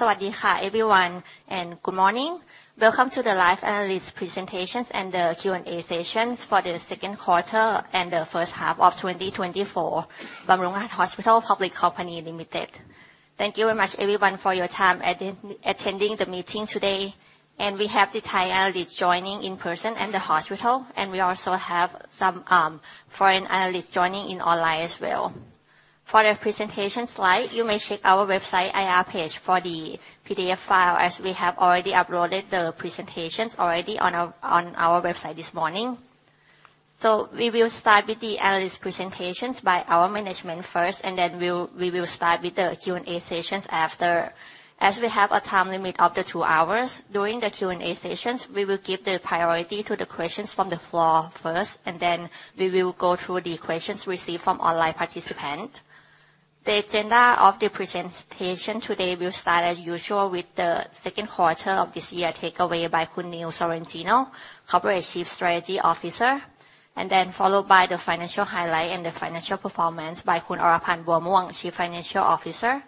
Sawasdee kha, everyone, and good morning. Welcome to the live analyst presentations and the Q&A sessions for the Second Quarter and the First Half of 2024, Bumrungrad Hospital Public Company Limited. Thank you very much everyone for your time in attending the meeting today, and we have the Thai analysts joining in person at the hospital, and we also have some foreign analysts joining in online as well. For the presentation slide, you may check our website IR page for the PDF file, as we have already uploaded the presentations already on our website this morning. So we will start with the analyst presentations by our management first, and then we will start with the Q&A sessions after. As we have a time limit of two hours, during the Q&A sessions, we will give priority to the questions from the floor first, and then we will go through the questions received from online participants. The agenda of the presentation today will start as usual with the second quarter of this year takeaways by Neil Sorrentino, Corporate Chief Strategy Officer, followed by the financial highlights and the financial performance by Khun Oraphan Buamuang, Chief Financial Officer,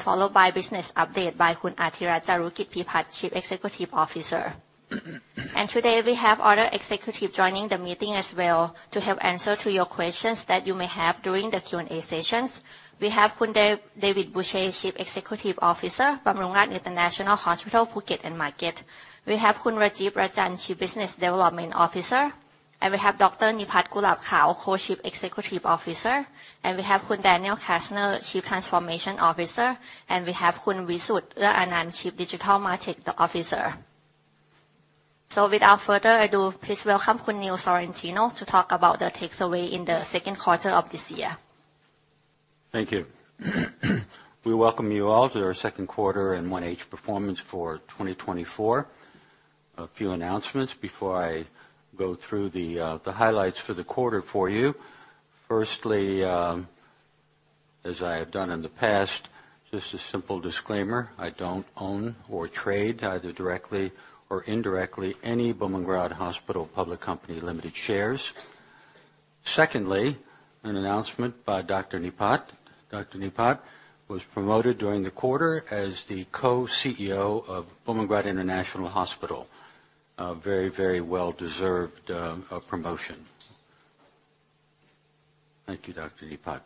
followed by business update by Khun Artirat Charukitpipat, Chief Executive Officer. Today, we have other executives joining the meeting as well to help answer your questions that you may have during the Q&A sessions. We have Khun David Boucher, Chief Executive Officer, Bumrungrad International Hospital Phuket. We have Khun Rajeev Rajan, Chief Business Development Officer, and we have Dr. Nipat Kulabkaew, Co-Chief Executive Officer, and we have Khun Daniel Castner, Chief Transformation Officer, and we have Khun Wisut Ua-anant, Chief Digital Marketing Officer. So without further ado, please welcome Khun Neil Sorrentino to talk about the takeaway in the second quarter of this year. Thank you. We welcome you all to our Second Quarter and 1H Performance for 2024. A few announcements before I go through the highlights for the quarter for you. Firstly, as I have done in the past, just a simple disclaimer, I don't own or trade, either directly or indirectly, any Bumrungrad Hospital Public Company Limited shares. Secondly, an announcement by Dr. Nipat. Dr. Nipat was promoted during the quarter as the co-CEO of Bumrungrad International Hospital. A very, very well-deserved promotion. Thank you, Dr. Nipat.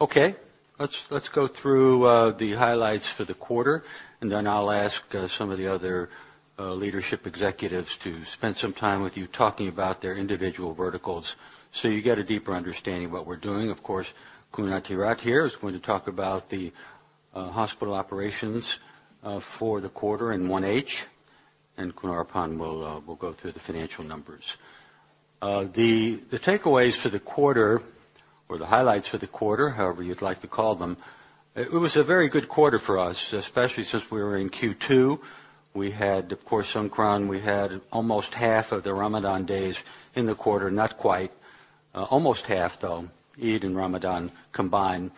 Okay, let's go through the highlights for the quarter, and then I'll ask some of the other leadership executives to spend some time with you, talking about their individual verticals, so you get a deeper understanding of what we're doing. Of course, Khun Artirat here is going to talk about the hospital operations for the quarter and 1H, and Khun Oraphan will go through the financial numbers. The takeaways for the quarter or the highlights for the quarter, however you'd like to call them, it was a very good quarter for us, especially since we were in Q2. We had, of course, Songkran. We had almost half of the Ramadan days in the quarter. Not quite, almost half, though, Eid and Ramadan combined.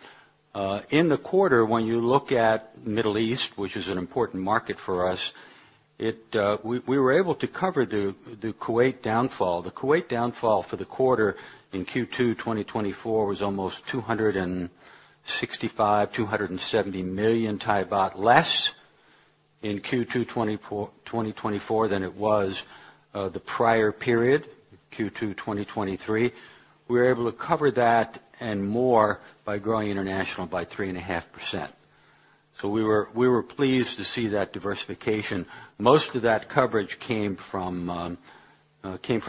In the quarter, when you look at Middle East, which is an important market for us, it, we were able to cover the Kuwait downfall. The Kuwait downfall for the quarter in Q2 2024 was almost 265 million-270 million baht less in Q2 2024 than it was, the prior period, Q2 2023. We were able to cover that and more by growing international by 3.5%. So we were pleased to see that diversification. Most of that coverage came from Qatar.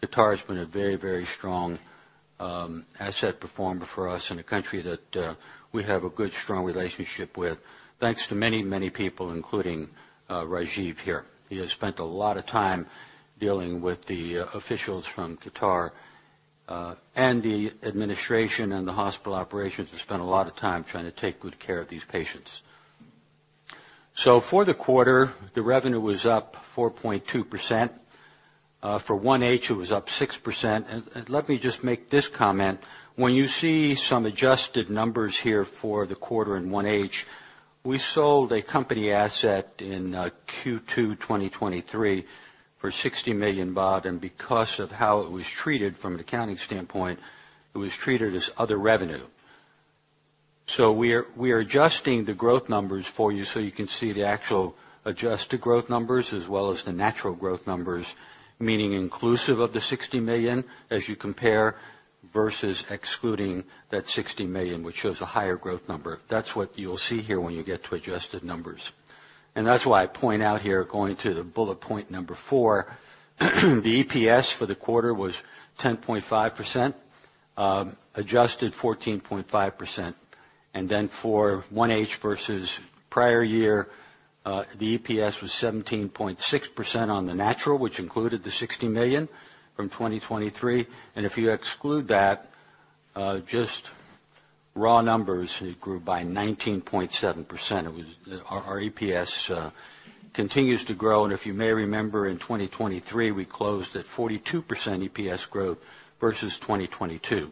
Qatar has been a very, very strong asset performer for us in a country that we have a good, strong relationship with, thanks to many, many people, including Rajeev here. He has spent a lot of time dealing with the officials from Qatar, and the administration and the hospital operations have spent a lot of time trying to take good care of these patients. So for the quarter, the revenue was up 4.2%. For 1H, it was up 6%. And let me just make this comment. When you see some adjusted numbers here for the quarter and 1H, we sold a company asset in Q2 2023 for 60 million baht, and because of how it was treated from an accounting standpoint, it was treated as other revenue. So we are adjusting the growth numbers for you so you can see the actual adjusted growth numbers, as well as the natural growth numbers, meaning inclusive of the 60 million, as you compare, versus excluding that 60 million, which shows a higher growth number. That's what you'll see here when you get to adjusted numbers. And that's why I point out here, going to the bullet point number 4, the EPS for the quarter was 10.5%, adjusted 14.5%. And then for 1H versus prior year, the EPS was 17.6% on the natural, which included the 60 million from 2023. And if you exclude that, just raw numbers, it grew by 19.7%. It was. Our EPS continues to grow, and if you may remember, in 2023, we closed at 42% EPS growth versus 2022.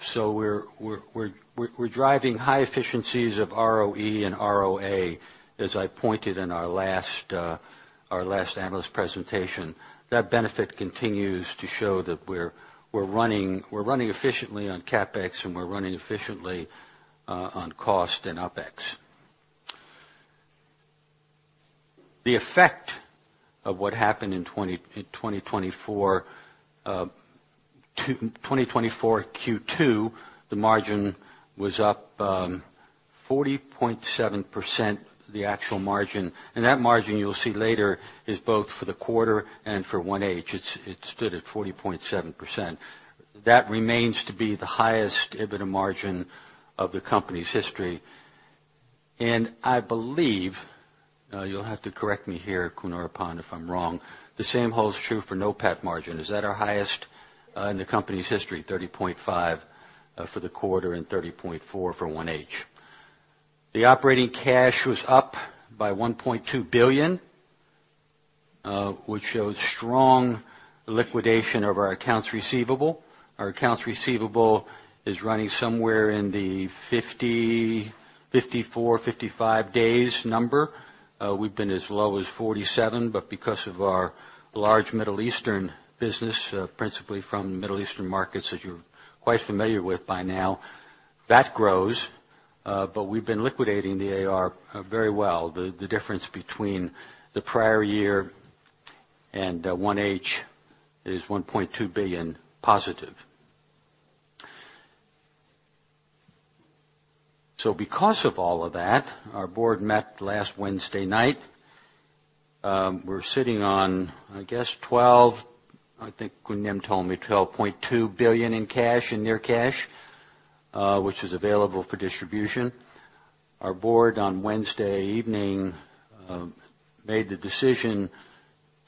So we're driving high efficiencies of ROE and ROA, as I pointed in our last analyst presentation. That benefit continues to show that we're running efficiently on CapEx, and we're running efficiently on cost and OpEx. The effect of what happened in 2024 Q2, the margin was up 40.7%, the actual margin. And that margin, you'll see later, is both for the quarter and for 1H. It stood at 40.7%. That remains to be the highe st EBITDA margin of the company's history. And I believe, you'll have to correct me here, Khun Oraphan, if I'm wrong, the same holds true for NOPAT margin. Is that our highest in the company's history, 30.5% for the quarter and 30.4% for 1H? The operating cash was up by 1.2 billion, which shows strong liquidation of our accounts receivable. Our accounts receivable is running somewhere in the 54-55 days number. We've been as low as 47, but because of our large Middle Eastern business, principally from Middle Eastern markets, as you're quite familiar with by now, that grows. But we've been liquidating the AR very well. The difference between the prior year and 1H is +THB 1.2 billion. So because of all of that, our board met last Wednesday night. We're sitting on, I guess, 12 billion... I think Khun Linda told me 12.2 billion in cash and near cash, which is available for distribution. Our board, on Wednesday evening, made the decision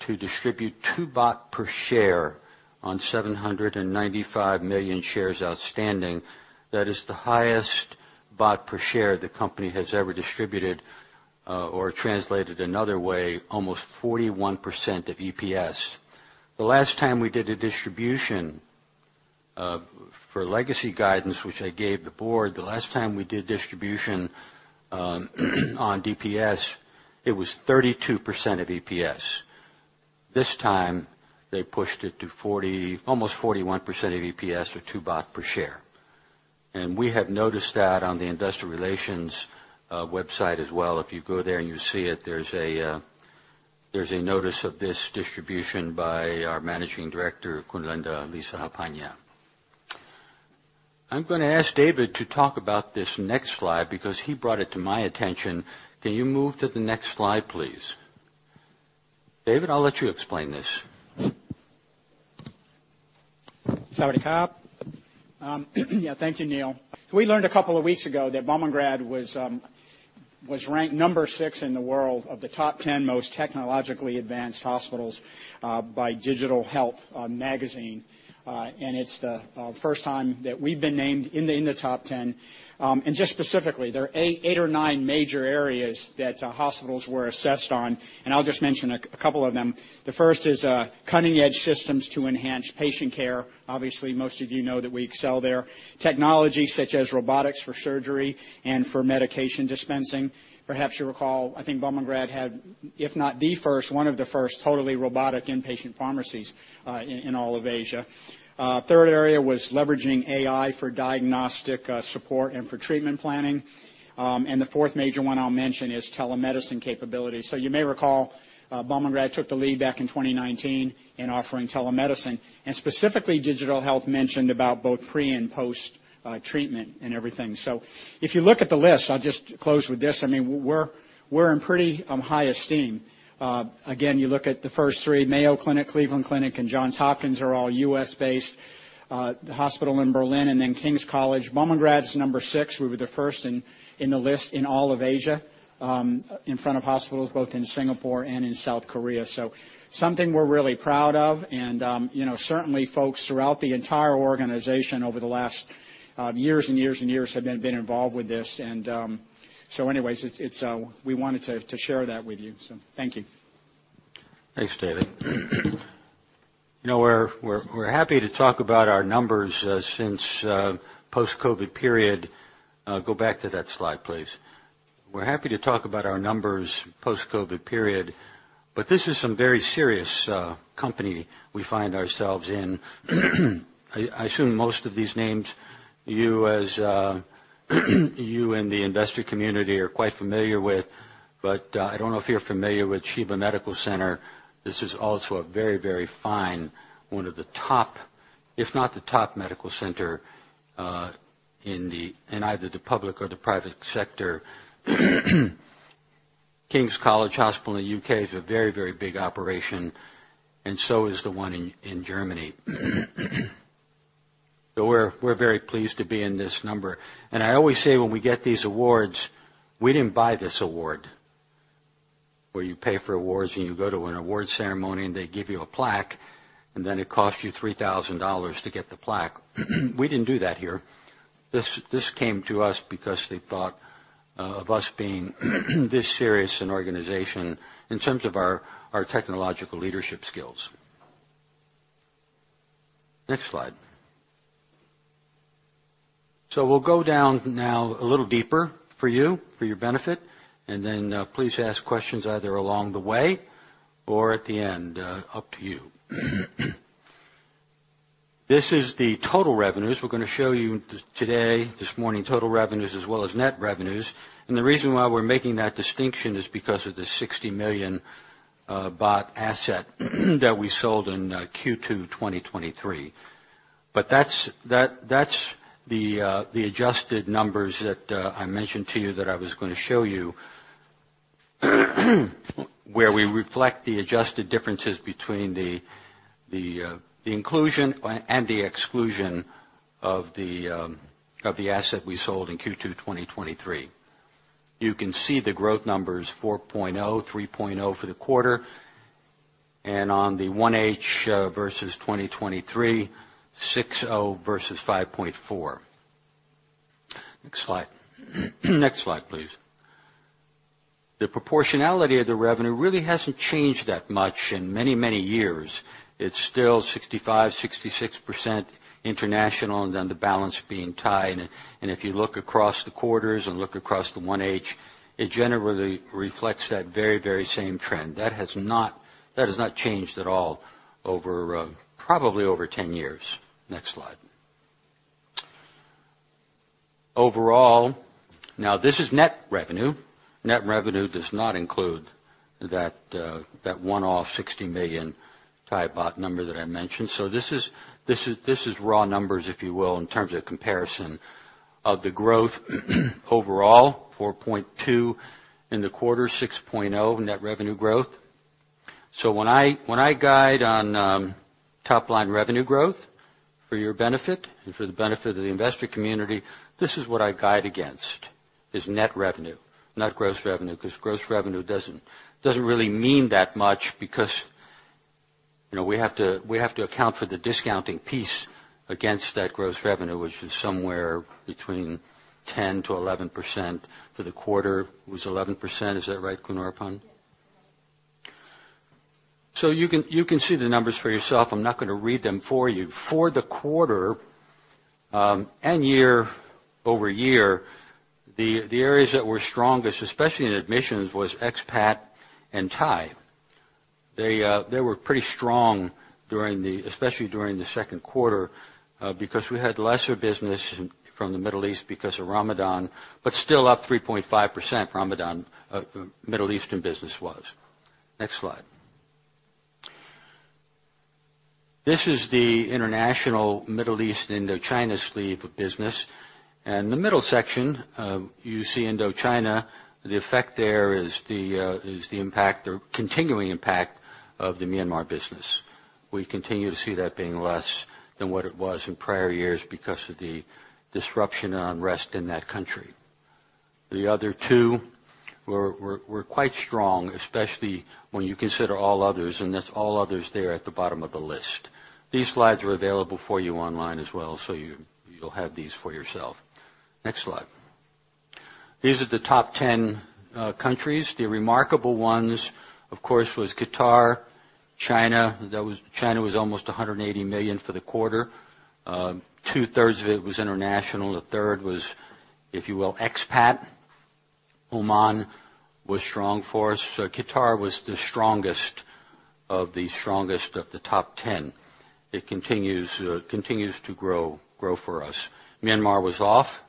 to distribute 2 baht per share on 795 million shares outstanding. That is the highest Baht per share the company has ever distributed, or translated another way, almost 41% of EPS. The last time we did a distribution, for legacy guidance, which I gave the board, the last time we did distribution, on DPS, it was 32% of EPS. This time, they pushed it to 40%, almost 41% of EPS, or 2 baht per share. And we have noticed that on the investor relations website as well. If you go there and you see it, there's a, there's a notice of this distribution by our managing director, Khun Linda Lisahapanya. I'm gonna ask David to talk about this next slide because he brought it to my attention. Can you move to the next slide, please? David, I'll let you explain this. Sawasdee kub. Yeah, thank you, Neil. We learned a couple of weeks ago that Bumrungrad was ranked number six in the world of the top 10 most technologically advanced hospitals by Digital Health Magazine. It's the first time that we've been named in the top 10. Just specifically, there are eight or nine major areas that hospitals were assessed on, and I'll just mention a couple of them. The first is cutting-edge systems to enhance patient care. Obviously, most of you know that we excel there. Technology such as robotics for surgery and for medication dispensing. Perhaps you recall, I think Bumrungrad had, if not the first, one of the first totally robotic inpatient pharmacies in all of Asia. Third area was leveraging AI for diagnostic support and for treatment planning. The fourth major one I'll mention is telemedicine capability. So you may recall, Bumrungrad took the lead back in 2019 in offering telemedicine, and specifically, Digital Health mentioned about both pre- and post-treatment and everything. So if you look at the list, I'll just close with this. I mean, we're in pretty high esteem. Again, you look at the first three, Mayo Clinic, Cleveland Clinic, and Johns Hopkins are all U.S.-based. The hospital in Berlin, and then King's College. Bumrungrad is number six. We were the first in the list in all of Asia, in front of hospitals both in Singapore and in South Korea. So something we're really proud of, and, you know, certainly folks throughout the entire organization over the last years and years and years have been involved with this. And, so anyways, it's... We wanted to share that with you. So thank you. Thanks, David. You know, we're happy to talk about our numbers since post-COVID period. Go back to that slide, please. We're happy to talk about our numbers post-COVID period, but this is some very serious company we find ourselves in. I assume most of these names, you as you in the investor community are quite familiar with, but I don't know if you're familiar with Sheba Medical Center. This is also a very, very fine, one of the top, if not the top medical center, in either the public or the private sector. King's College Hospital in the U.K. is a very, very big operation, and so is the one in Germany. So we're very pleased to be in this number. I always say when we get these awards, we didn't buy this award, where you pay for awards, and you go to an awards ceremony, and they give you a plaque, and then it costs you $3,000 to get the plaque. We didn't do that here. This, this came to us because they thought of us being this serious an organization in terms of our technological leadership skills. Next slide. We'll go down now a little deeper for you, for your benefit, and then please ask questions either along the way or at the end, up to you. This is the total revenues. We're gonna show you today, this morning, total revenues as well as net revenues. The reason why we're making that distinction is because of the 60 million baht asset that we sold in Q2 2023. But that's the adjusted numbers that I mentioned to you that I was gonna show you, where we reflect the adjusted differences between the inclusion and the exclusion of the asset we sold in Q2 2023. You can see the growth numbers, 4.0, 3.0 for the quarter, and on the 1H versus 2023, 6.0 versus 5.4. Next slide. Next slide, please. The proportionality of the revenue really hasn't changed that much in many, many years. It's still 65%-66% international, and then the balance being Thai. And if you look across the quarters and look across the 1H, it generally reflects that very, very same trend. That has not, that has not changed at all over, probably over 10 years. Next slide. Overall, now, this is net revenue. Net revenue does not include that, that one-off 60 million baht number that I mentioned. So this is, this is, this is raw numbers, if you will, in terms of comparison of the growth overall, 4.2 in the quarter, 6.0 net revenue growth. So when I, when I guide on, top-line revenue growth, for your benefit and for the benefit of the investor community, this is what I guide against, is net revenue, not gross revenue. Because gross revenue doesn't really mean that much because, you know, we have to account for the discounting piece against that gross revenue, which is somewhere between 10%-11% for the quarter. It was 11%. Is that right, Khun Oraphan? So you can see the numbers for yourself. I'm not gonna read them for you. For the quarter, and year-over-year, the areas that were strongest, especially in admissions, was expat and Thai. They were pretty strong during the especially during the second quarter, because we had lesser business from the Middle East because of Ramadan, but still up 3.5%, Ramadan, Middle Eastern business was. Next slide. This is the international Middle East and Indochina sleeve of business, and the middle section, you see Indochina, the effect there is the, is the impact or continuing impact of the Myanmar business. We continue to see that being less than what it was in prior years because of the disruption and unrest in that country. The other two were quite strong, especially when you consider all others, and that's all others there at the bottom of the list. These slides are available for you online as well, so you, you'll have these for yourself. Next slide. These are the top 10 countries. The remarkable ones, of course, was Qatar, China. That was. China was almost 180 million for the quarter. Two-thirds of it was international, a third was, if you will, expat. Oman was strong for us. So Qatar was the strongest of the strongest of the top 10. It continues to grow for us. Myanmar was off.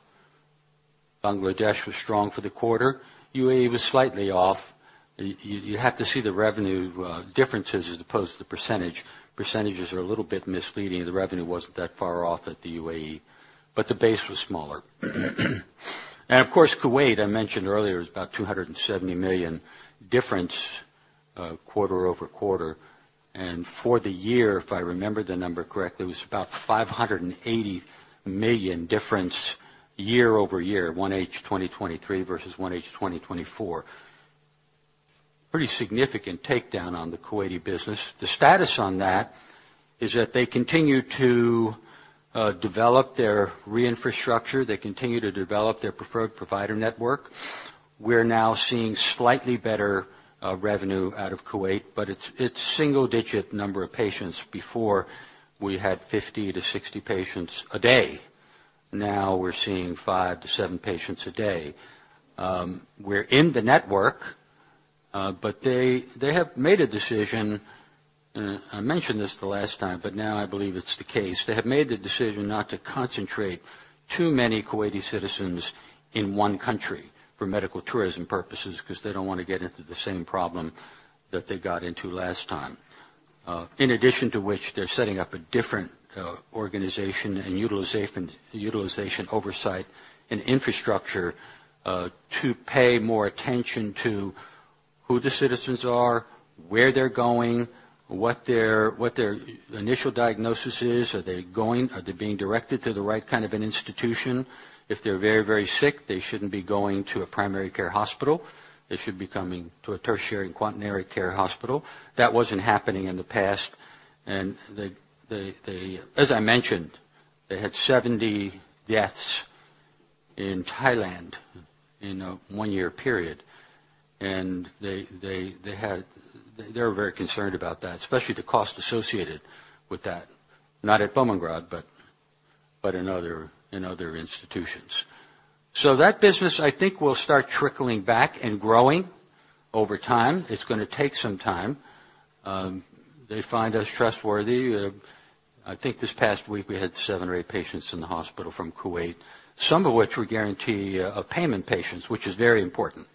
Bangladesh was strong for the quarter. UAE was slightly off. You have to see the revenue differences as opposed to the percentage. Percentages are a little bit misleading. The revenue wasn't that far off at the UAE, but the base was smaller. And of course, Kuwait, I mentioned earlier, was about 270 million difference quarter-over-quarter. And for the year, if I remember the number correctly, it was about 580 million difference year-over-year, 1H 2023 versus 1H 2024. Pretty significant takedown on the Kuwaiti business. The status on that is that they continue to develop their re-infrastructure. They continue to develop their preferred provider network. We're now seeing slightly better revenue out of Kuwait, but it's single digit number of patients. Before, we had 50-60 patients a day. Now, we're seeing 5-7 patients a day. We're in the network, but they have made a decision. I mentioned this the last time, but now I believe it's the case. They have made the decision not to concentrate too many Kuwaiti citizens in one country for medical tourism purposes, 'cause they don't wanna get into the same problem that they got into last time. In addition to which, they're setting up a different organization and utilization oversight and infrastructure to pay more attention to who the citizens are, where they're going, what their initial diagnosis is. Are they going? Are they being directed to the right kind of an institution? If they're very, very sick, they shouldn't be going to a primary care hospital. They should be coming to a tertiary and quaternary care hospital. That wasn't happening in the past, and... As I mentioned, they had 70 deaths in Thailand in a one-year period, and they were very concerned about that, especially the cost associated with that. Not at Bumrungrad, but... but in other institutions. So that business, I think, will start trickling back and growing over time. It's gonna take some time. They find us trustworthy. I think this past week, we had 7 or 8 patients in the hospital from Kuwait, some of which were guarantee of payment patients, which is very important.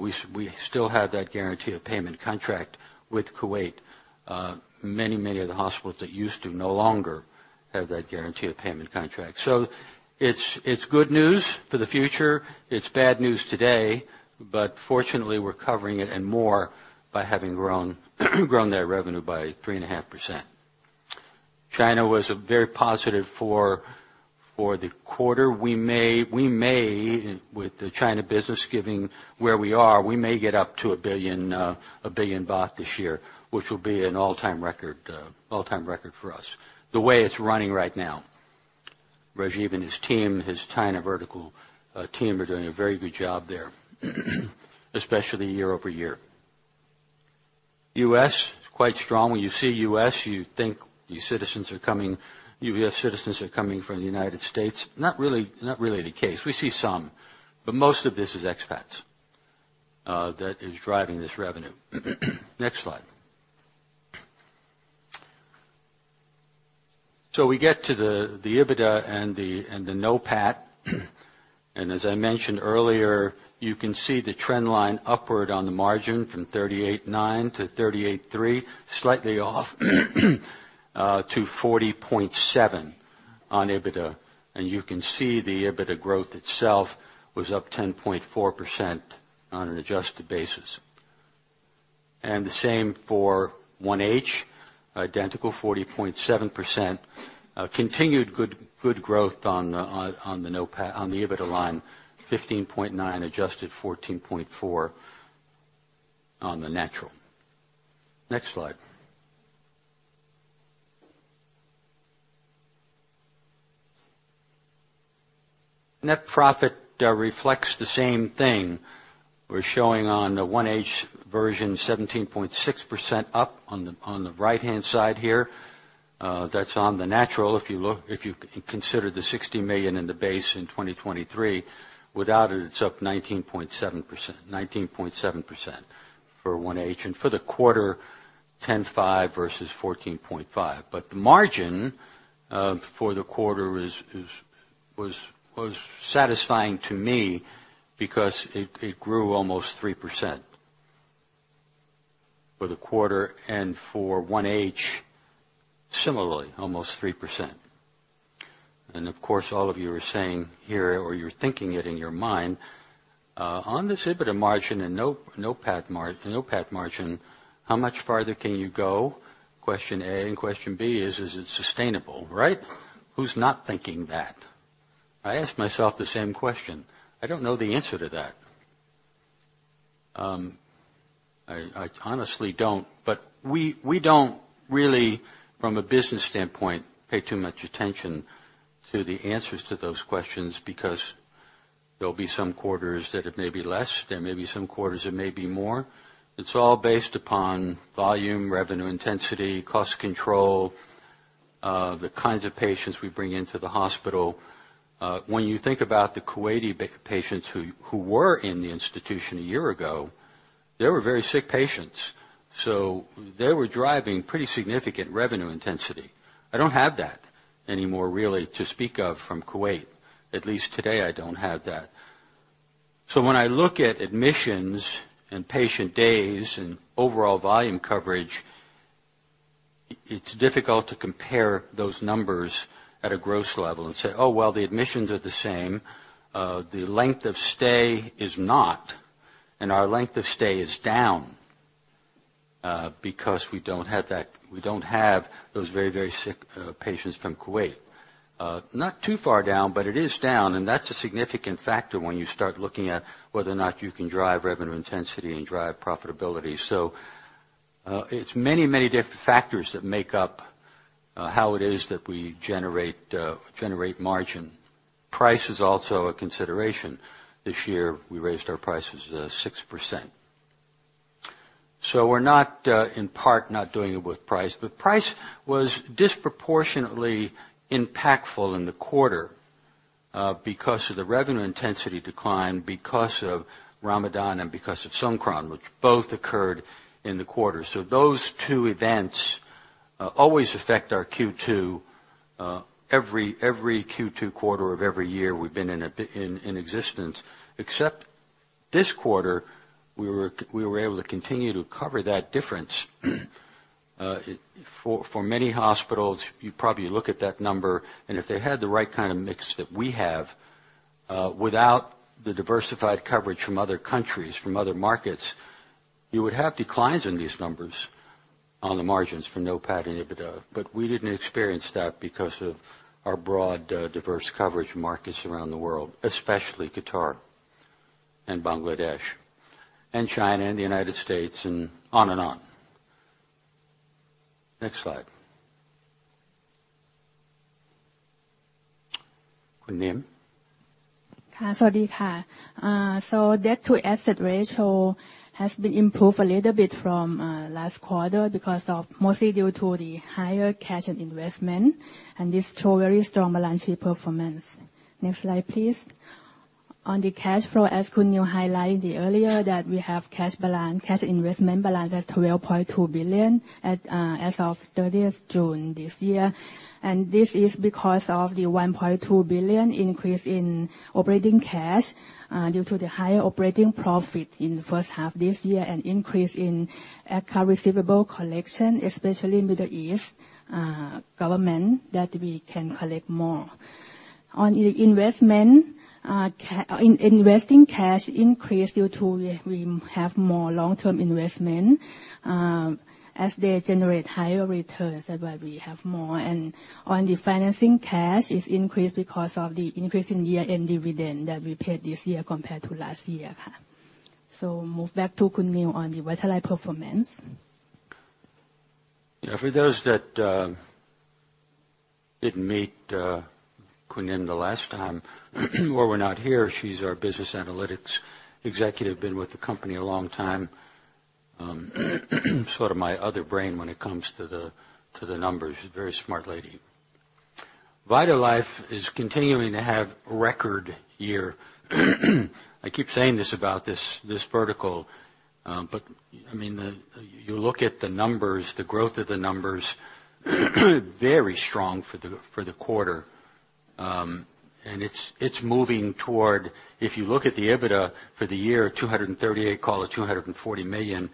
We still have that guarantee of payment contract with Kuwait. Many, many of the hospitals that used to no longer have that guarantee of payment contract. So it's good news for the future, it's bad news today, but fortunately, we're covering it and more by having grown that revenue by 3.5%. China was very positive for the quarter. We may, with the China business giving where we are, we may get up to 1 billion baht this year, which will be an all-time record for us. The way it's running right now. Rajeev and his team, his China vertical team, are doing a very good job there, especially year-over-year. U.S., quite strong. When you see U.S., you think you citizens are coming... U.S. citizens are coming from the United States. Not really, not really the case. We see some, but most of this is expats that is driving this revenue. Next slide. So we get to the EBITDA and the NOPAT. And as I mentioned earlier, you can see the trend line upward on the margin from 38.9% to 38.3%, slightly off to 40.7% on EBITDA. And you can see the EBITDA growth itself was up 10.4% on an adjusted basis. And the same for 1H, identical 40.7%. Continued good growth on the NOPAT, on the EBITDA line, 15.9, adjusted 14.4 on the natural. Next slide. Net profit reflects the same thing. We're showing on the 1H version, 17.6% up on the right-hand side here. That's on the natural. If you look, if you consider the 60 million in the base in 2023, without it, it's up 19.7%, 19.7% for 1H, and for the quarter, 10.5% versus 14.5%. But the margin for the quarter was satisfying to me because it grew almost 3% for the quarter and for 1H, similarly, almost 3%. And of course, all of you are saying here, or you're thinking it in your mind, on this EBITDA margin and NOPAT margin, how much farther can you go? Question A, and question B is, is it sustainable, right? Who's not thinking that? I ask myself the same question. I don't know the answer to that. I honestly don't. But we don't really, from a business standpoint, pay too much attention to the answers to those questions because there'll be some quarters that it may be less, there may be some quarters it may be more. It's all based upon volume, revenue intensity, cost control, the kinds of patients we bring into the hospital. When you think about the Kuwaiti patients who were in the institution a year ago, they were very sick patients, so they were driving pretty significant revenue intensity. I don't have that anymore, really, to speak of from Kuwait. At least today, I don't have that. So when I look at admissions and patient days and overall volume coverage, it's difficult to compare those numbers at a gross level and say, "Oh, well, the admissions are the same." The length of stay is not, and our length of stay is down because we don't have that we don't have those very, very sick patients from Kuwait. Not too far down, but it is down, and that's a significant factor when you start looking at whether or not you can drive revenue intensity and drive profitability. So, it's many, many different factors that make up how it is that we generate generate margin. Price is also a consideration. This year, we raised our prices 6%. So we're not, in part, not doing it with price, but price was disproportionately impactful in the quarter, because of the revenue intensity decline, because of Ramadan, and because of Songkran, which both occurred in the quarter. So those two events always affect our Q2. Every Q2 quarter of every year we've been in existence, except this quarter, we were able to continue to cover that difference. For many hospitals, you probably look at that number, and if they had the right kind of mix that we have, without the diversified coverage from other countries, from other markets, you would have declines in these numbers on the margins for NOPAT and EBITDA. But we didn't experience that because of our broad, diverse coverage markets around the world, especially Qatar and Bangladesh and China and the United States, and on and on. Next slide. Khun Inn? Ka, sawasdee ka. So debt to asset ratio has been improved a little bit from last quarter because of mostly due to the higher cash and investment, and this show very strong balance sheet performance. Next slide, please. On the cash flow, as Khun Neil highlighted earlier, that we have cash balance, cash investment balance at 12.2 billion as of 30th June this year. And this is because of the 1.2 billion increase in operating cash due to the higher operating profit in the first half this year, and increase in account receivable collection, especially Middle East government, that we can collect more. On investment, investing cash increased due to we have more long-term investment. As they generate higher returns, that's why we have more. On the financing cash, it's increased because of the increase in year-end dividend that we paid this year compared to last year ka. Move back to Khun Neil on the VitalLife performance. Yeah, for those that didn't meet Khun Inn the last time, or were not here, she's our business analytics executive, been with the company a long time. Sort of my other brain when it comes to the numbers. Very smart lady. VitalLife is continuing to have a record year. I keep saying this about this vertical, but, I mean, the - you look at the numbers, the growth of the numbers, very strong for the quarter. And it's moving toward... If you look at the EBITDA for the year, 238 million, call it 240 million,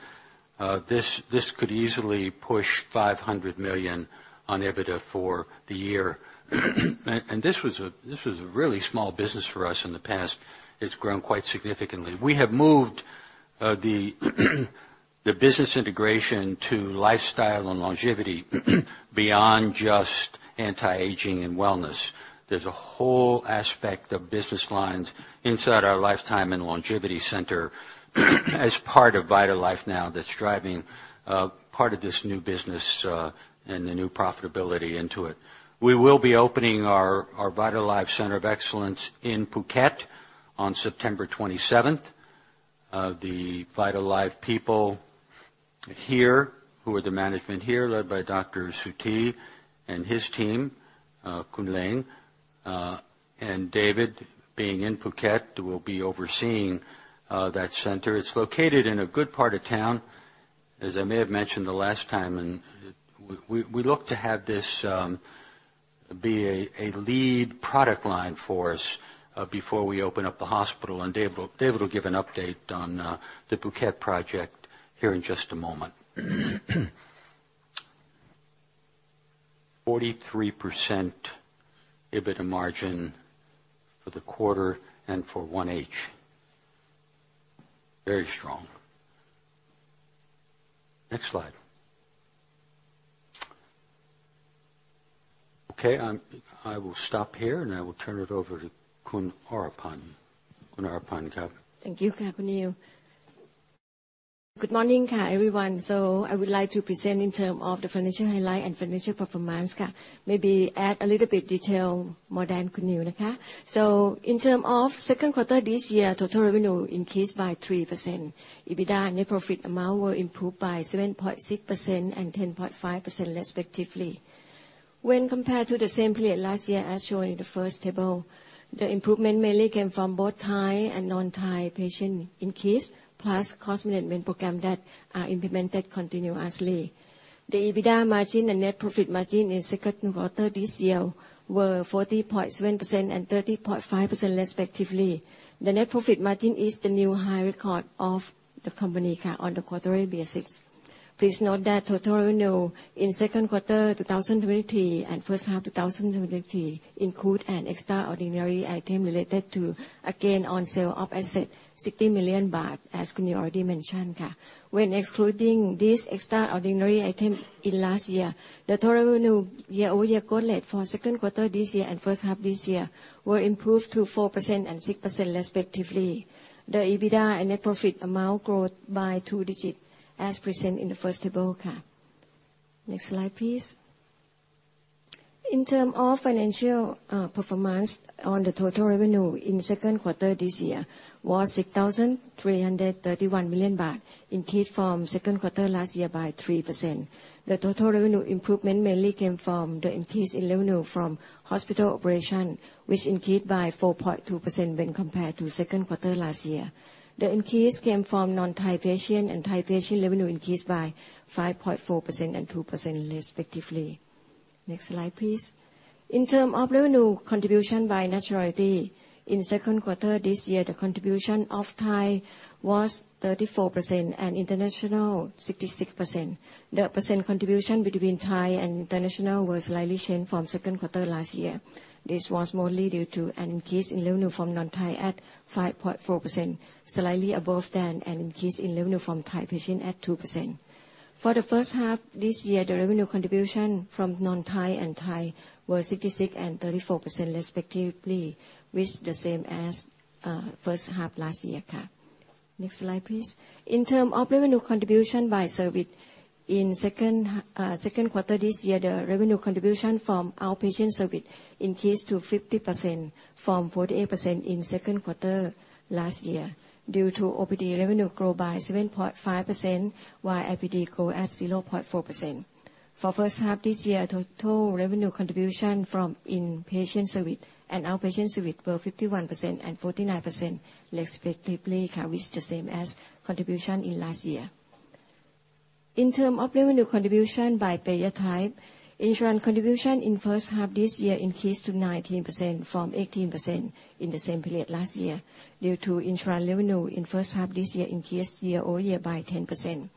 this could easily push 500 million on EBITDA for the year. And this was a really small business for us in the past. It's grown quite significantly. We have moved the business integration to lifestyle and longevity beyond just anti-aging and wellness. There's a whole aspect of business lines inside our Lifetime and Longevity Center as part of VitalLife now that's driving part of this new business and the new profitability into it. We will be opening our VitalLife Center of Excellence in Phuket on September 27th. The VitalLife people here, who are the management here, led by Dr. Suthep and his team, Khun Leng, and David being in Phuket, will be overseeing that center. It's located in a good part of town, as I may have mentioned the last time, and we look to have this be a lead product line for us before we open up the hospital. Dave will, David will give an update on the Phuket project here in just a moment. 43% EBITDA margin for the quarter and for 1H. Very strong. Next slide. Okay, I will stop here, and I will turn it over to Khun Oraphan. Khun Oraphan, ka. Thank you, Ka Khun Neil. Good morning, ka, everyone. So I would like to present in terms of the financial highlights and financial performance, ka. Maybe add a little bit detail more than Khun Neil, ka. So in terms of second quarter, this year, total revenue increased by 3%. EBITDA net profit amount were improved by 7.6% and 10.5%, respectively. When compared to the same period last year, as shown in the first table, the improvement mainly came from both Thai and non-Thai patient increase, plus cost management program that are implemented continuously. The EBITDA margin and net profit margin in second quarter this year were 40.7% and 30.5%, respectively. The net profit margin is the new high record of the company, ka, on the quarterly basis. Please note that total revenue in second quarter 2023 and first half 2023 include an extraordinary item related to, again, on sale of asset, 60 million baht, as Khun Neil already mentioned, ka. When excluding this extraordinary item in last year, the total revenue year-over-year growth rate for second quarter this year and first half this year were improved to 4% and 6%, respectively. The EBITDA and net profit amount growth by two-digit, as presented in the first table, ka. Next slide, please. In terms of financial performance on the total revenue in second quarter this year was 6,331 million baht, increased from second quarter last year by 3%. The total revenue improvement mainly came from the increase in revenue from hospital operation, which increased by 4.2% when compared to second quarter last year. The increase came from non-Thai patient and Thai patient revenue increased by 5.4% and 2%, respectively. Next slide, please. In terms of revenue contribution by nationality, in second quarter this year, the contribution of Thai was 34% and international, 66%. The percent contribution between Thai and international was slightly changed from second quarter last year. This was mostly due to an increase in revenue from non-Thai at 5.4%, slightly above than an increase in revenue from Thai patient at 2%. For the first half this year, the revenue contribution from non-Thai and Thai were 66% and 34%, respectively, which the same as first half last year. Next slide, please. In terms of revenue contribution by service, in second, second quarter this year, the revenue contribution from outpatient service increased to 50% from 48% in second quarter last year, due to OPD revenue grow by 7.5%, while IPD grow at 0.4%. For first half this year, total revenue contribution from inpatient service and outpatient service were 51% and 49%, respectively, which the same as contribution in last year. In terms of revenue contribution by payer type, insurance contribution in first half this year increased to 19% from 18% in the same period last year, due to insurance revenue in first half this year increased year-over-year by 10%.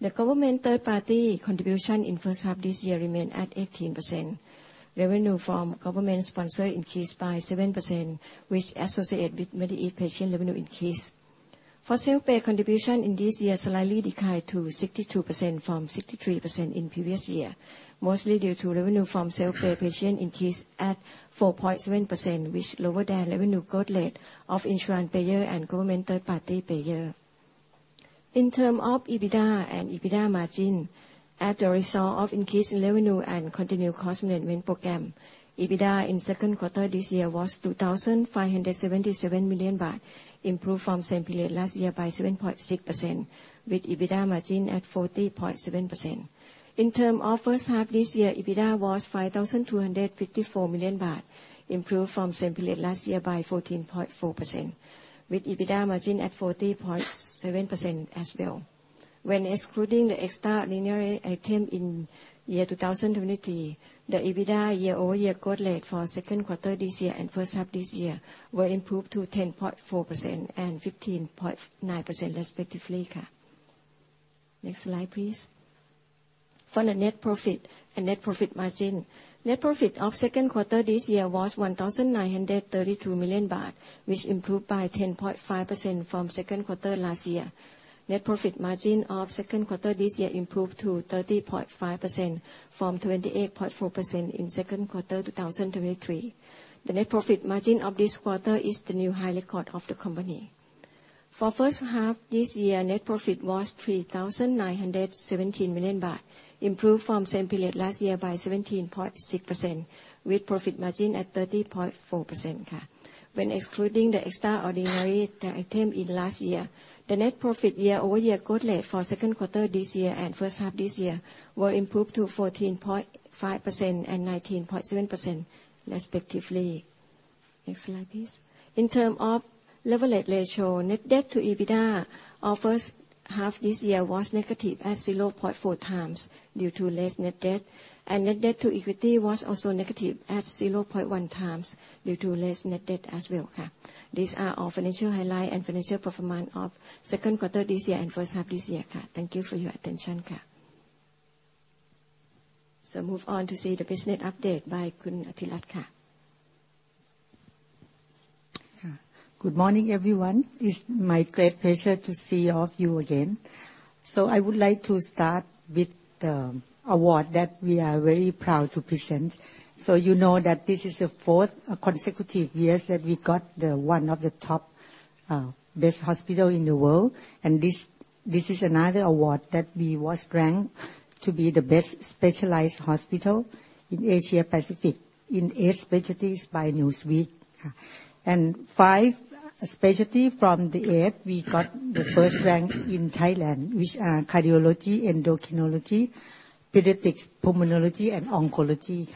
The government third party contribution in first half this year remained at 18%. Revenue from government sponsor increased by 7%, which associate with many patient revenue increase. For self-pay contribution in this year, slightly declined to 62% from 63% in previous year, mostly due to revenue from self-pay patient increased at 4.7%, which lower than revenue growth rate of insurance payer and government third party payer. In terms of EBITDA and EBITDA margin, as a result of increased revenue and continued cost management program, EBITDA in second quarter this year was 2,577 million baht, improved from same period last year by 7.6%, with EBITDA margin at 40.7%. In terms of first half this year, EBITDA was 5,254 million baht, improved from same period last year by 14.4%, with EBITDA margin at 40.7% as well. When excluding the extraordinary item in year 2023, the EBITDA year-over-year growth rate for second quarter this year and first half this year were improved to 10.4% and 15.9%, respectively. Next slide, please. For the net profit and net profit margin, net profit of second quarter this year was 1,932 million baht, which improved by 10.5% from second quarter last year. Net profit margin of second quarter this year improved to 30.5% from 28.4% in second quarter 2023. The net profit margin of this quarter is the new high record of the company. For first half this year, net profit was 3,917 million baht, improved from same period last year by 17.6%, with profit margin at 30.4%. When excluding the extraordinary item in last year, the net profit year-over-year growth rate for second quarter this year and first half this year were improved to 14.5% and 19.7%, respectively. Next slide, please. In terms of leverage ratio, net debt to EBITDA of first half this year was negative at 0.4x due to less net debt, and net debt to equity was also negative at 0.1x due to less net debt as well. These are all financial highlights and financial performance of second quarter this year and first half this year. Thank you for your attention. Move on to see the business update by Khun Artirat. Good morning, everyone. It's my great pleasure to see all of you again. So I would like to start with the award that we are very proud to present. So you know that this is the fourth consecutive years that we got the one of the top best hospital in the world, and this is another award that we was ranked to be the best specialized hospital in Asia Pacific in eight specialties by Newsweek. And five specialty from the eight, we got the first rank in Thailand, which are cardiology, endocrinology, pediatrics, pulmonology and oncology.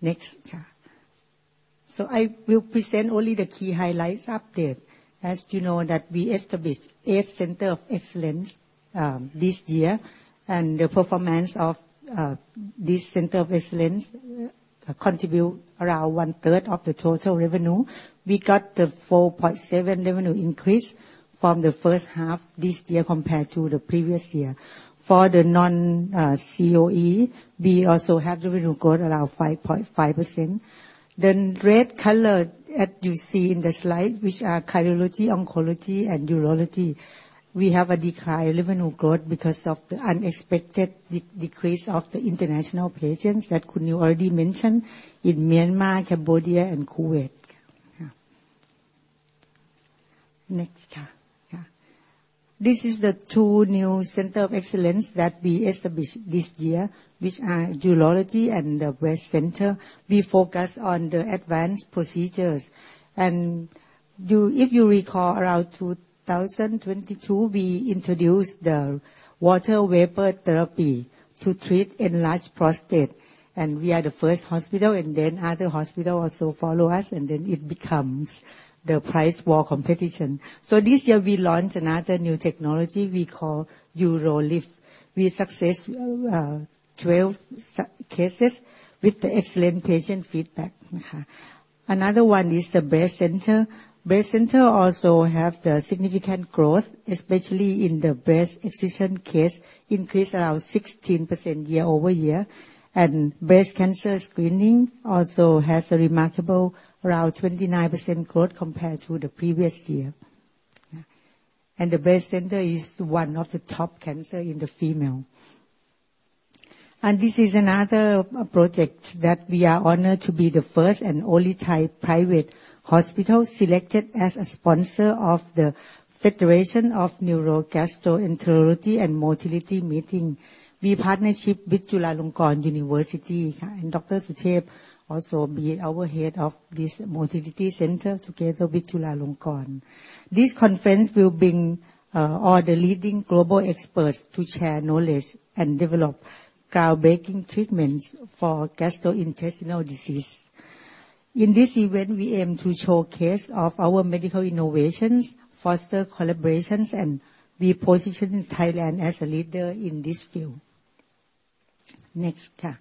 Next. So I will present only the key highlights update. As you know, that we established eight Center of Excellence this year, and the performance of this Center of Excellence contribute around one third of the total revenue. We got the 4.7% revenue increase from the first half this year compared to the previous year. For the non, COE, we also have revenue growth around 5.5%. The red color, as you see in the slide, which are cardiology, oncology and urology. We have a declined revenue growth because of the unexpected decrease of the international patients that Khun Neil already mentioned in Myanmar, Cambodia and Kuwait. Next. This is the two new Center of Excellence that we established this year, which are urology and the Breast Center. We focus on the advanced procedures. And you if you recall, around 2022, we introduced the water vapor therapy to treat enlarged prostate, and we are the first hospital, and then other hospital also follow us, and then it becomes the price war competition. So this year, we launched another new technology we call UroLift. We success 12 cases with the excellent patient feedback. Another one is the Breast Center. Breast Center also have the significant growth, especially in the breast excision case, increased around 16% year-over-year. And breast cancer screening also has a remarkable around 29% growth compared to the previous year. And the Breast Center is one of the top cancer in the female. And this is another project that we are honored to be the first and only Thai private hospital selected as a sponsor of the Federation of Neurogastroenterology and Motility meeting. We partnership with Chulalongkorn University, and Dr. Suthep also be our head of this motility center, together with Chulalongkorn. This conference will bring all the leading global experts to share knowledge and develop groundbreaking treatments for gastrointestinal disease. In this event, we aim to showcase of our medical innovations, foster collaborations, and reposition Thailand as a leader in this field. Next card.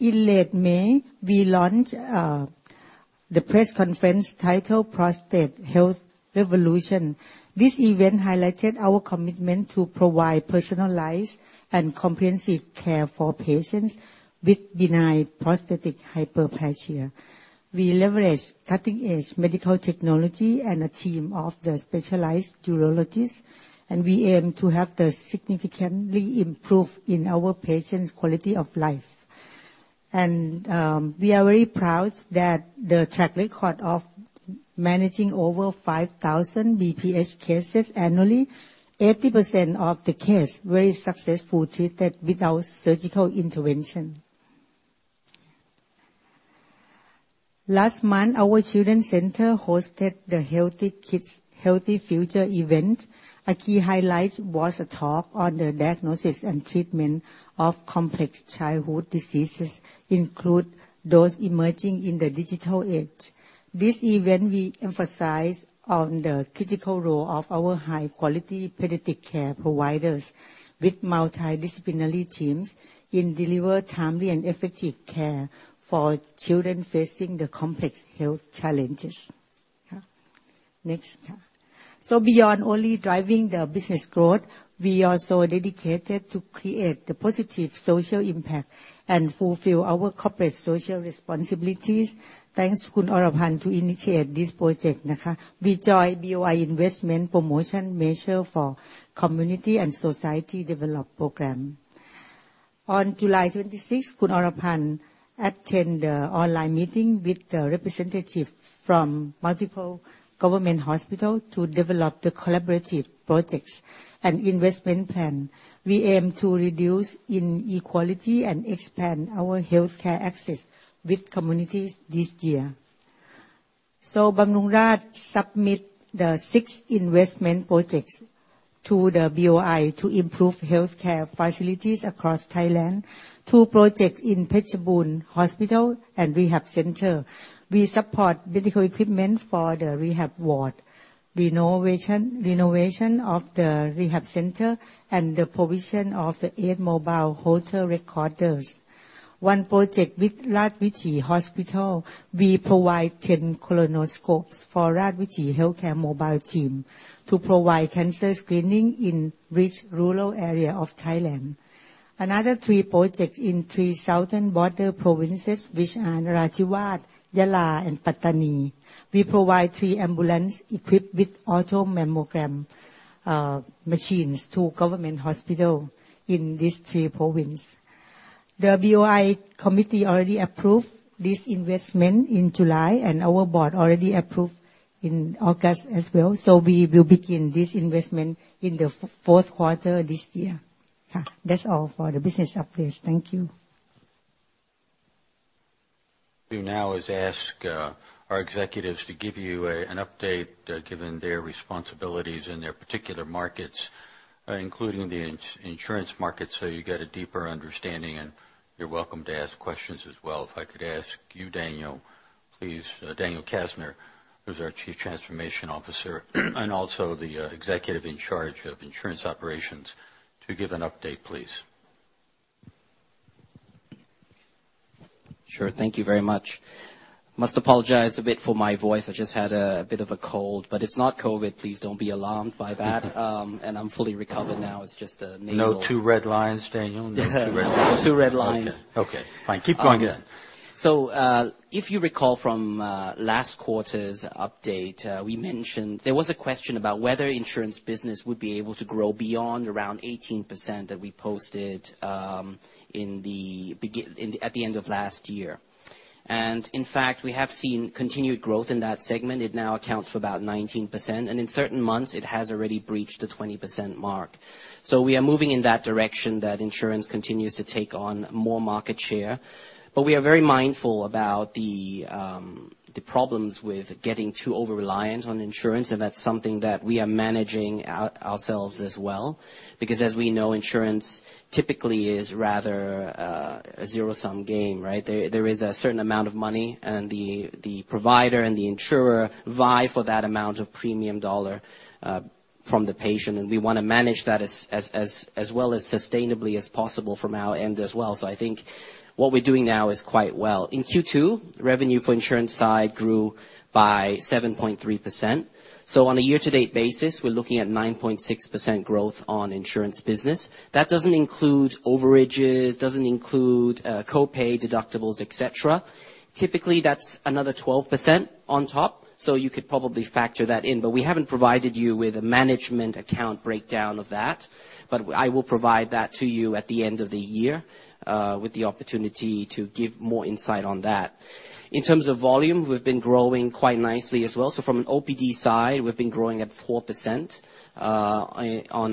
In late May, we launched the press conference titled Prostate Health Revolution. This event highlighted our commitment to provide personalized and comprehensive care for patients with benign prostatic hyperplasia. We leverage cutting-edge medical technology and a team of the specialized urologists, and we aim to have the significantly improve in our patients' quality of life. We are very proud that the track record of managing over 5,000 BPH cases annually, 80% of the case very successful, treated without surgical intervention. Last month, our Children's Center hosted the Healthy Kids Healthy Future event. A key highlight was a talk on the diagnosis and treatment of complex childhood diseases, include those emerging in the digital age. This event, we emphasize on the critical role of our high-quality pediatric care providers with multidisciplinary teams in deliver timely and effective care for children facing the complex health challenges. Next card. Beyond only driving the business growth, we are so dedicated to create the positive social impact and fulfill our corporate social responsibilities. Thanks, Khun Oraphan, to initiate this project. We join BOI investment promotion measure for community and society development program. On July 26th, Khun Oraphan attend the online meeting with the representative from multiple government hospital to develop the collaborative projects and investment plan. We aim to reduce inequality and expand our healthcare access with communities this year. Bumrungrad submit the six investment projects to the BOI to improve healthcare facilities across Thailand. Two projects in Phetchabun Hospital and Rehab Center. We support medical equipment for the rehab ward, renovation, renovation of the rehab center, and the provision of the eight mobile Holter recorders. One project with Rajavithi Hospital, we provide 10 colonoscopes for Rajavithi Hospital mobile team to provide cancer screening in rural areas of Thailand. Another three projects in three southern border provinces, which are Narathiwat, Yala, and Pattani. We provide three ambulances equipped with automated mammogram machines to government hospitals in these three provinces. The BOI committee already approved this investment in July, and our board already approved in August as well. So we will begin this investment in the fourth quarter, this year. That's all for the business updates. Thank you. Now is to ask our executives to give you a an update given their responsibilities in their particular markets including the insurance market so you get a deeper understanding and you're welcome to ask questions as well. If I could ask you Daniel please. Daniel Castner who's our Chief Transformation Officer and also the Executive in Charge of Insurance Operations to give an update please. Sure. Thank you very much. Must apologize a bit for my voice. I just had a bit of a cold, but it's not COVID. Please don't be alarmed by that. And I'm fully recovered now. It's just a nasal. No two red lines, Daniel? No two red lines. Okay. Okay, fine. Keep going again. So, if you recall from last quarter's update, we mentioned there was a question about whether insurance business would be able to grow beyond around 18% that we posted at the end of last year. In fact, we have seen continued growth in that segment. It now accounts for about 19%, and in certain months, it has already breached the 20% mark. We are moving in that direction, that insurance continues to take on more market share. But we are very mindful about the problems with getting too over-reliant on insurance, and that's something that we are managing ourselves as well, because as we know, insurance typically is rather a zero-sum game, right? There is a certain amount of money, and the provider and the insurer vie for that amount of premium dollar from the patient, and we want to manage that as well as sustainably as possible from our end as well. So I think what we're doing now is quite well. In Q2, revenue for insurance side grew by 7.3%. So on a year-to-date basis, we're looking at 9.6% growth on insurance business. That doesn't include overages, doesn't include copay, deductibles, et cetera. Typically, that's another 12% on top, so you could probably factor that in, but we haven't provided you with a management account breakdown of that. But I will provide that to you at the end of the year with the opportunity to give more insight on that. In terms of volume, we've been growing quite nicely as well. So from an OPD side, we've been growing at 4%, on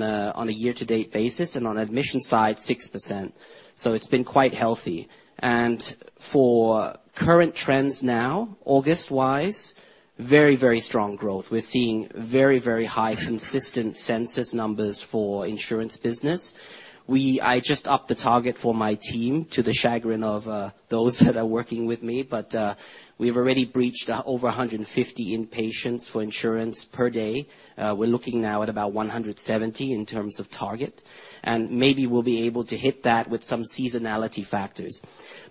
a year-to-date basis, and on admission side, 6%. So it's been quite healthy. And for current trends now, August-wise, very, very strong growth. We're seeing very, very high consistent census numbers for insurance business. I just upped the target for my team, to the chagrin of those that are working with me, but we've already breached over 150 in-patients for insurance per day. We're looking now at about 170 in terms of target, and maybe we'll be able to hit that with some seasonality factors.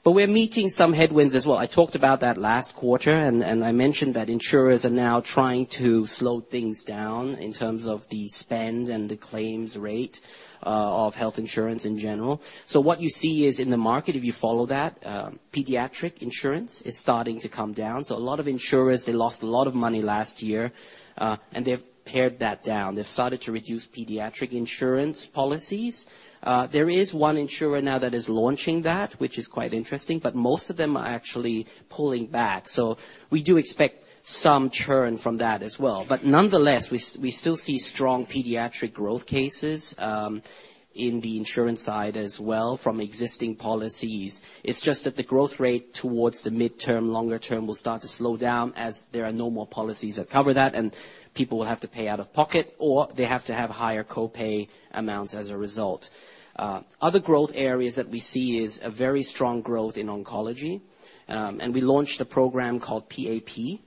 But we're meeting some headwinds as well. I talked about that last quarter, and I mentioned that insurers are now trying to slow things down in terms of the spend and the claims rate of health insurance in general. So what you see is in the market, if you follow that, pediatric insurance is starting to come down, so a lot of insurers, they lost a lot of money last year, and they've pared that down. They've started to reduce pediatric insurance policies. There is one insurer now that is launching that, which is quite interesting, but most of them are actually pulling back. So we do expect some churn from that as well. But nonetheless, we still see strong pediatric growth cases, in the insurance side as well, from existing policies. It's just that the growth rate towards the midterm, longer term, will start to slow down as there are no more policies that cover that, and people will have to pay out of pocket, or they have to have higher copay amounts as a result. Other growth areas that we see is a very strong growth in oncology, and we launched a program called PAP,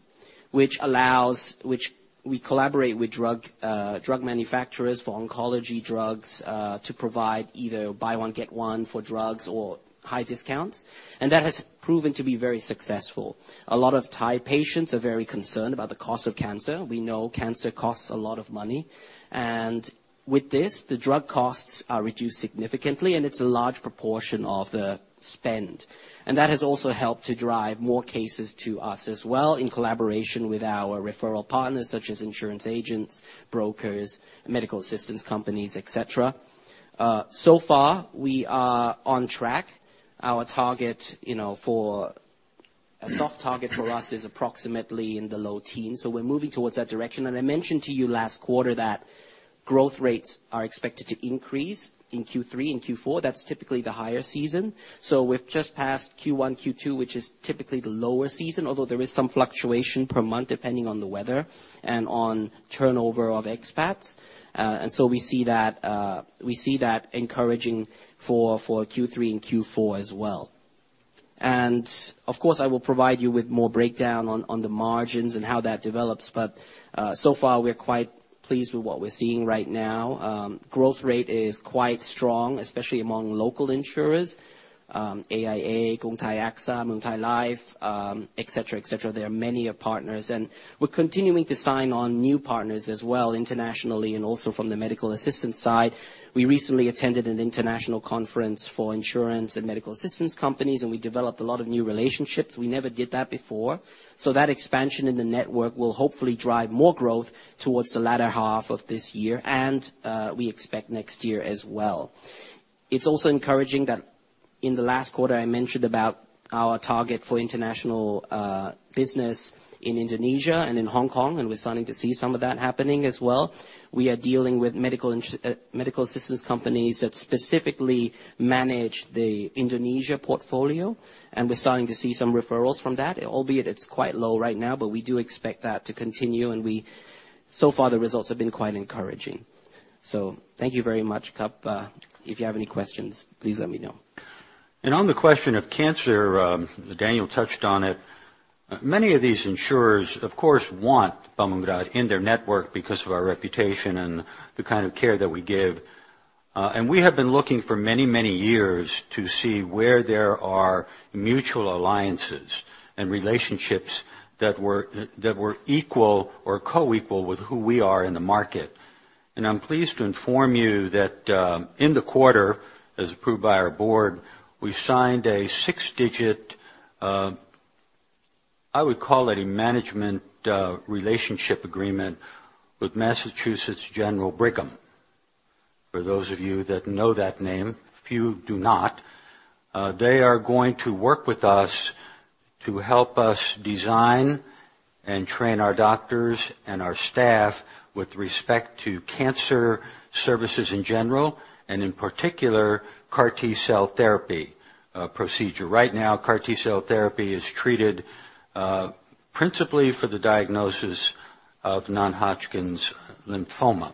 which allows... which we collaborate with drug, drug manufacturers for oncology drugs, to provide either buy one, get one for drugs or high discounts, and that has proven to be very successful. A lot of Thai patients are very concerned about the cost of cancer. We know cancer costs a lot of money, and with this, the drug costs are reduced significantly, and it's a large proportion of the spend. That has also helped to drive more cases to us as well in collaboration with our referral partners, such as insurance agents, brokers, medical assistance companies, et cetera. So far, we are on track. Our target, you know, a soft target for us is approximately in the low teens, so we're moving towards that direction. And I mentioned to you last quarter that growth rates are expected to increase in Q3 and Q4. That's typically the higher season. So we've just passed Q1, Q2, which is typically the lower season, although there is some fluctuation per month, depending on the weather and on turnover of expats. And so we see that encouraging for Q3 and Q4 as well. Of course, I will provide you with more breakdown on the margins and how that develops, but so far we're quite pleased with what we're seeing right now. Growth rate is quite strong, especially among local insurers, AIA, Krungthai-AXA, Muang Thai Life, etc There are many partners, and we're continuing to sign on new partners as well, internationally and also from the medical assistance side. We recently attended an international conference for insurance and medical assistance companies, and we developed a lot of new relationships. We never did that before. So that expansion in the network will hopefully drive more growth towards the latter half of this year, and we expect next year as well. It's also encouraging that in the last quarter, I mentioned about our target for international business in Indonesia and in Hong Kong, and we're starting to see some of that happening as well. We are dealing with medical assistance companies that specifically manage the Indonesia portfolio, and we're starting to see some referrals from that, albeit it's quite low right now, but we do expect that to continue. So far, the results have been quite encouraging. So thank you very much, Cup. If you have any questions, please let me know. On the question of cancer, Daniel touched on it. Many of these insurers, of course, want Bumrungrad in their network because of our reputation and the kind of care that we give, and we have been looking for many, many years to see where there are mutual alliances and relationships that were equal or co-equal with who we are in the market. I'm pleased to inform you that, in the quarter, as approved by our board, we signed a six-digit, I would call it a management, relationship agreement with Massachusetts General Brigham, for those of you that know that name, a few do not. They are going to work with us to help us design and train our doctors and our staff with respect to cancer services in general, and in particular, CAR T-cell therapy, procedure. Right now, CAR T-cell therapy is treated principally for the diagnosis of non-Hodgkin's lymphoma,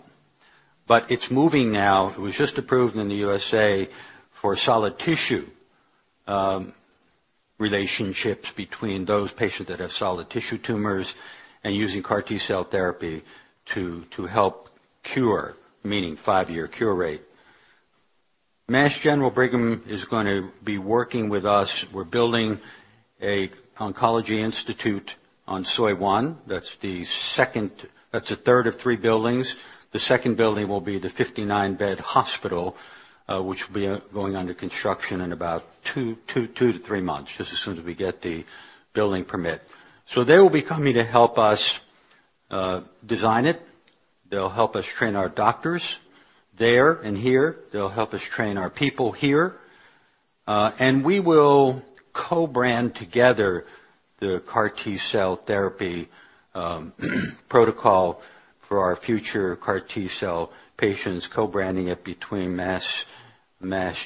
but it's moving now. It was just approved in the U.S.A. for solid tissue relationships between those patients that have solid tissue tumors and using CAR T-cell therapy to help cure, meaning five-year cure rate. Mass General Brigham is going to be working with us. We're building an oncology institute on Soi One. That's the third of three buildings. The second building will be the 59-bed hospital, which will be going under construction in about 2 to 3 months, just as soon as we get the building permit. So they will be coming to help us design it. They'll help us train our doctors there and here. They'll help us train our people here. And we will co-brand together the CAR T-cell therapy protocol for our future CAR T-cell patients, co-branding it between Mass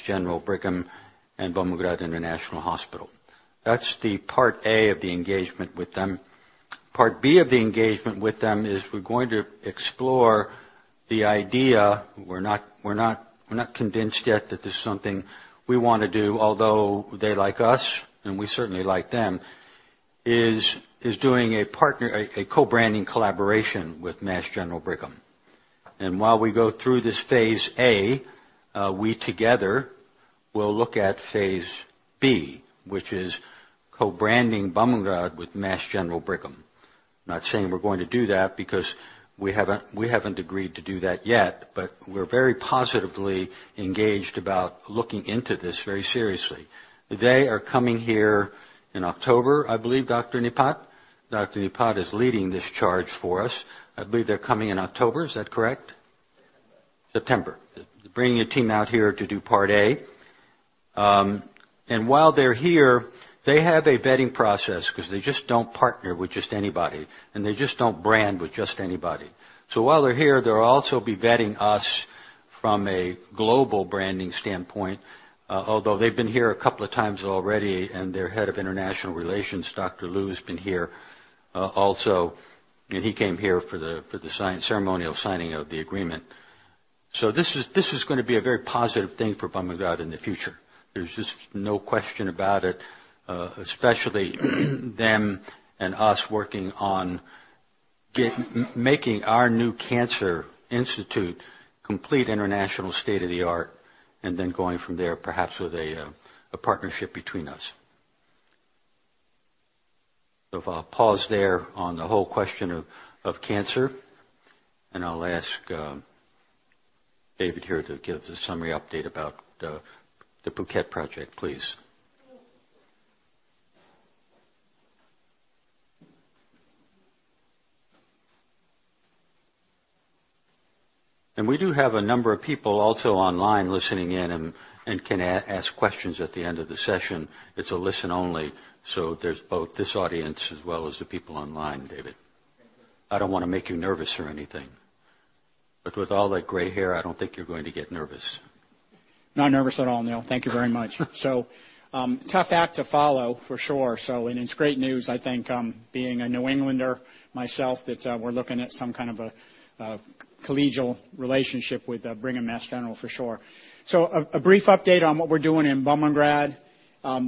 General Brigham and Bumrungrad International Hospital. That's the part A of the engagement with them. Part B of the engagement with them is we're going to explore the idea, we're not convinced yet that this is something we want to do, although they like us, and we certainly like them, is doing a co-branding collaboration with Mass General Brigham. And while we go through this phase A, we together will look at phase B, which is co-branding Bumrungrad with Mass General Brigham. I'm not saying we're going to do that because we haven't agreed to do that yet, but we're very positively engaged about looking into this very seriously. They are coming here in October, I believe, Dr. Nipat. Dr. Nipat is leading this charge for us. I believe they're coming in October. Is that correct? September. They're bringing a team out here to do part A. And while they're here, they have a vetting process because they just don't partner with just anybody, and they just don't brand with just anybody. So while they're here, they'll also be vetting us from a global branding standpoint, although they've been here a couple of times already, and their head of international relations, Dr. Lu, has been here, also, and he came here for the ceremonial signing of the agreement. So this is, this is gonna be a very positive thing for Bumrungrad in the future. There's just no question about it, especially them and us working on making our new cancer institute complete international state-of-the-art, and then going from there, perhaps with a partnership between us. So I'll pause there on the whole question of cancer, and I'll ask David here to give the summary update about the Phuket project, please. We do have a number of people also online listening in and can ask questions at the end of the session. It's listen only, so there's both this audience as well as the people online, David. I don't wanna make you nervous or anything. But with all that gray hair, I don't think you're going to get nervous. Not nervous at all, Neil. Thank you very much. So, tough act to follow, for sure. So, and it's great news, I think, being a New Englander myself, that, we're looking at some kind of a collegial relationship with, Brigham and Mass General, for sure. So a brief update on what we're doing in Bumrungrad.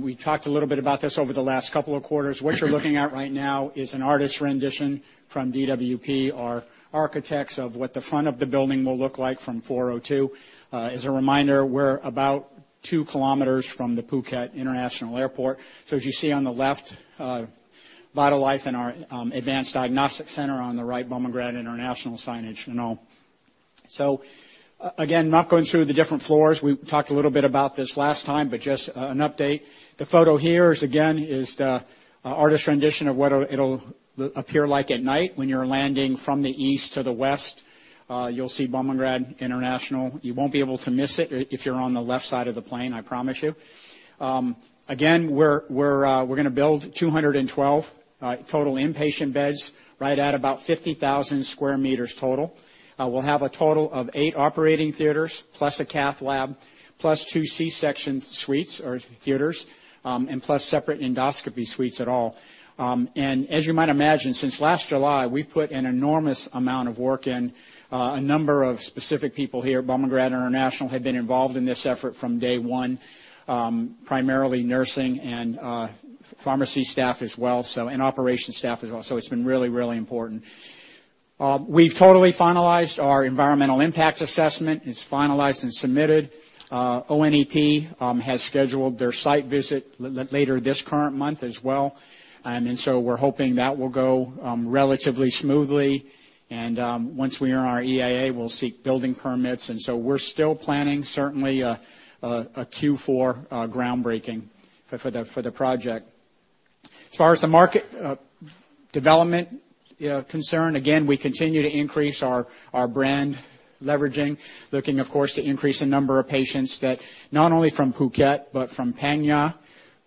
We talked a little bit about this over the last couple of quarters. What you're looking at right now is an artist's rendition from DWP, our architects, of what the front of the building will look like from 402. As a reminder, we're about 2km from the Phuket International Airport. So as you see on the left, VitalLife and our, advanced diagnostic center on the right, Bumrungrad International signage and all. So, again, not going through the different floors. We talked a little bit about this last time, but just an update. The photo here is, again, the artist's rendition of what it'll appear like at night when you're landing from the east to the west. You'll see Bumrungrad International. You won't be able to miss it if you're on the left side of the plane, I promise you. Again, we're gonna build 212 total inpatient beds right at about 50,000 square meters total. We'll have a total of eight operating theaters, plus a cath lab, plus two C-section suites or theaters, and plus separate endoscopy suites at all. And as you might imagine, since last July, we've put an enormous amount of work in, a number of specific people here. Bumrungrad International had been involved in this effort from day one, primarily nursing and pharmacy staff as well, so, and operations staff as well. So it's been really, really important. We've totally finalized our environmental impact assessment. It's finalized and submitted. ONEP has scheduled their site visit later this current month as well. And so we're hoping that will go relatively smoothly, and once we earn our EIA, we'll seek building permits, and so we're still planning certainly a Q4 groundbreaking for the project. As far as the market development concern, again, we continue to increase our brand leveraging, looking, of course, to increase the number of patients that not only from Phuket, but from Phang Nga,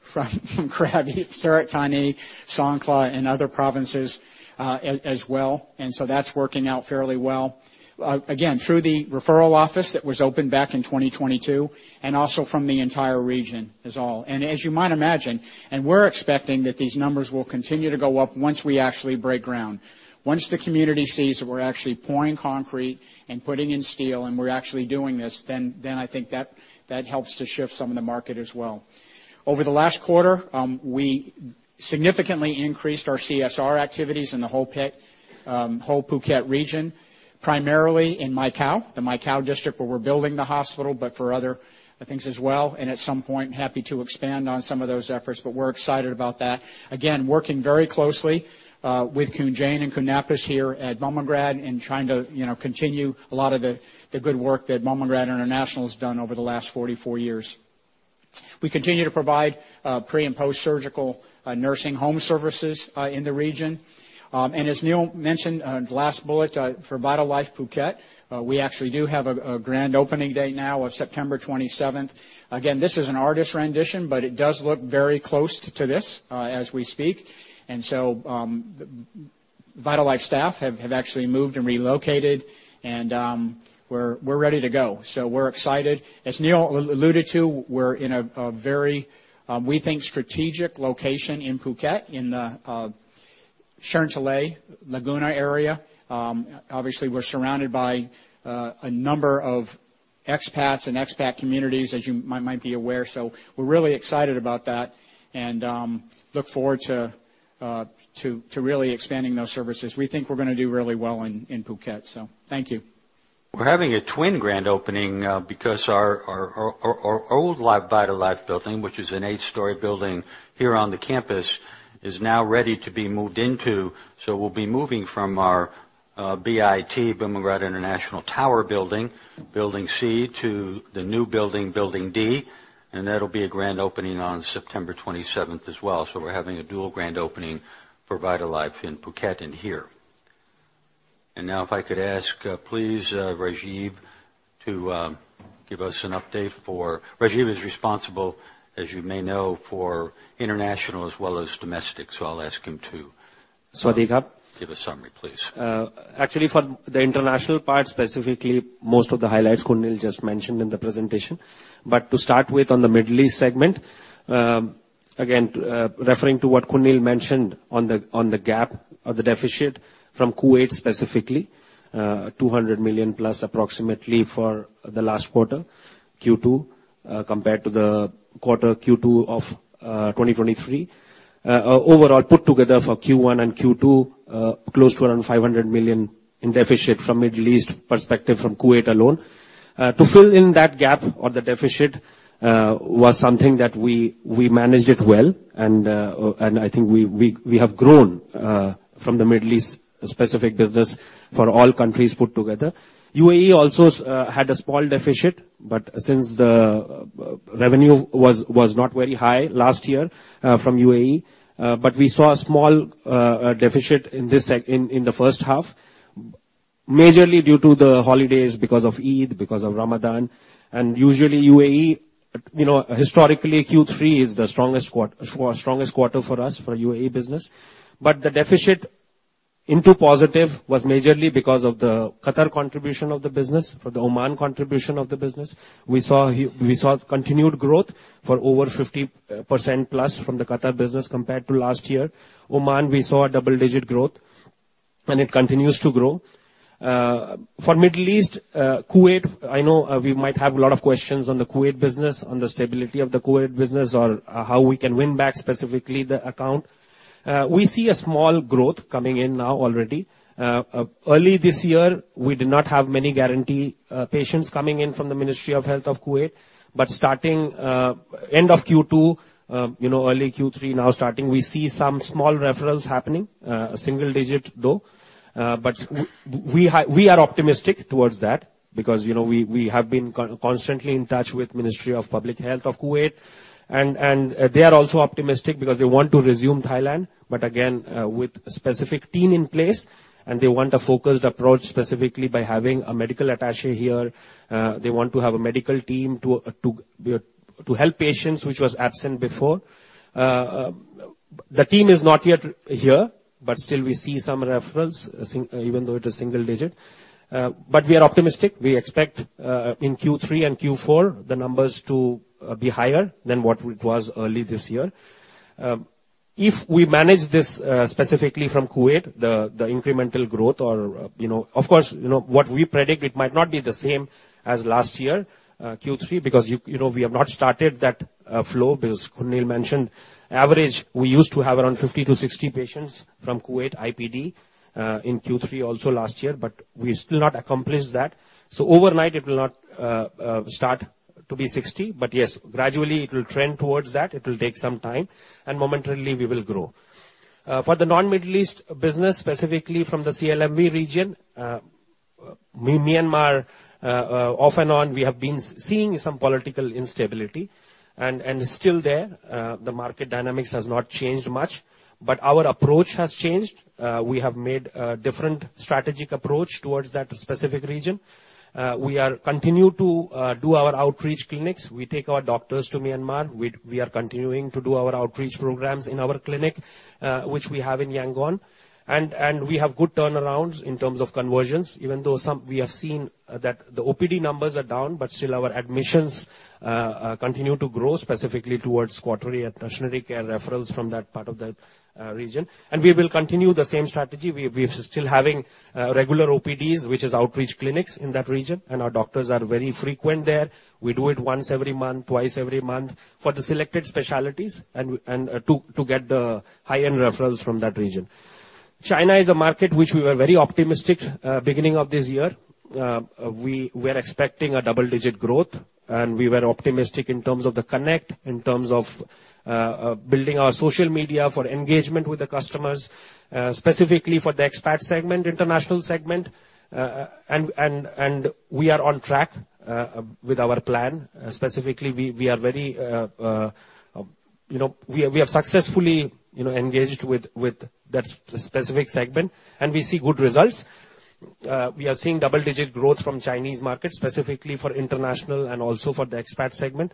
from Krabi, Surat Thani, Songkhla, and other provinces as well. And so that's working out fairly well. Again, through the referral office that was opened back in 2022, and also from the entire region as well. As you might imagine, we're expecting that these numbers will continue to go up once we actually break ground. Once the community sees that we're actually pouring concrete and putting in steel and we're actually doing this, then I think that helps to shift some of the market as well. Over the last quarter, we significantly increased our CSR activities in the whole Phuket region, primarily in Mai Khao, the Mai Khao district, where we're building the hospital, but for other things as well, and at some point, happy to expand on some of those efforts. But we're excited about that. Again, working very closely with Khun Jane and Khun Napas here at Bumrungrad, and trying to, you know, continue a lot of the good work that Bumrungrad International has done over the last 44 years. We continue to provide pre- and post-surgical nursing home services in the region. And as Neil mentioned, the last bullet for VitalLife Phuket, we actually do have a grand opening date now of September 27th. Again, this is an artist's rendition, but it does look very close to this as we speak. So, VitalLife staff have actually moved and relocated, and we're ready to go. So we're excited. As Neil alluded to, we're in a very, we think, strategic location in Phuket, in the Cherngtalay, Laguna area. Obviously, we're surrounded by a number of expats and expat communities, as you might be aware, so we're really excited about that and look forward to really expanding those services. We think we're gonna do really well in Phuket, so thank you. We're having a twin grand opening, because our old VitalLife building, which is an eight-story building here on the campus, is now ready to be moved into. So we'll be moving from our BIT, Bumrungrad International Tower building, Building C, to the new building, Building D, and that'll be a grand opening on September 27, as well. So we're having a dual grand opening for VitalLife in Phuket and here. And now, if I could ask, please, Rajeev, to give us an update for... Rajeev is responsible, as you may know, for international as well as domestic, so I'll ask him to... Sawasdee Krub. Give a summary, please. Actually, for the international part, specifically, most of the highlights, Khun Neil just mentioned in the presentation. But to start with on the Middle East segment, again, referring to what Khun Neil mentioned on the, on the gap or the deficit from Kuwait, specifically, 200+ million approximately for the last quarter, Q2, compared to the quarter Q2 of 2023. Overall, put together for Q1 and Q2, close to around 500 million in deficit from Middle East perspective, from Kuwait alone. To fill in that gap or the deficit, was something that we managed it well, and I think we have grown, from the Middle East specific business for all countries put together. UAE also had a small deficit, but since the revenue was not very high last year from UAE, but we saw a small deficit in the first half, majorly due to the holidays, because of Eid, because of Ramadan. Usually, UAE, you know, historically, Q3 is the strongest quarter for us, for UAE business. But the deficit into positive was majorly because of the Qatar contribution of the business, for the Oman contribution of the business. We saw continued growth for over 50%+ from the Qatar business compared to last year. Oman, we saw a double-digit growth, and it continues to grow. For Middle East, Kuwait, I know, we might have a lot of questions on the Kuwait business, on the stability of the Kuwait business, or, how we can win back specifically the account. We see a small growth coming in now already. Early this year, we did not have many guarantee patients coming in from the Ministry of Health of Kuwait. But starting, end of Q2, you know, early Q3, now starting, we see some small referrals happening, single digit, though. But we are optimistic towards that because, you know, we have been constantly in touch with Ministry of Public Health of Kuwait, and they are also optimistic because they want to resume Thailand, but again, with specific team in place, and they want a focused approach, specifically by having a medical attaché here. They want to have a medical team to help patients, which was absent before. The team is not yet here, but still, we see some referrals, even though it is single digit. But we are optimistic. We expect, in Q3 and Q4, the numbers to be higher than what it was early this year. If we manage this, specifically from Kuwait, the incremental growth or, you know... Of course, you know, what we predict, it might not be the same as last year, Q3, because you know, we have not started that flow, as Khun Neil mentioned. Average, we used to have around 50-60 patients from Kuwait, IPD, in Q3, also last year, but we still not accomplished that. So overnight, it will not start to be 60, but yes, gradually it will trend towards that. It will take some time, and momentarily, we will grow. For the non-Middle East business, specifically from the CLMV region, Myanmar, off and on, we have been seeing some political instability, and still there, the market dynamics has not changed much, but our approach has changed. We have made a different strategic approach towards that specific region. We are continue to do our outreach clinics. We take our doctors to Myanmar. We are continuing to do our outreach programs in our clinic, which we have in Yangon. And we have good turnarounds in terms of conversions, even though some we have seen that the OPD numbers are down, but still our admissions continue to grow, specifically towards quarterly and tertiary care referrals from that part of the world, region, and we will continue the same strategy. We're still having regular OPDs, which is outreach clinics in that region, and our doctors are very frequent there. We do it once every month, twice every month, for the selected specialties, and to get the high-end referrals from that region. China is a market which we were very optimistic beginning of this year. We were expecting double-digit growth, and we were optimistic in terms of the connect, in terms of building our social media for engagement with the customers, specifically for the expat segment, international segment. We are on track with our plan. Specifically, we are very... You know, we have successfully engaged with that specific segment, and we see good results. We are seeing double-digit growth from the Chinese market, specifically for international and also for the expat segment.